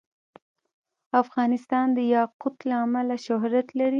افغانستان د یاقوت له امله شهرت لري.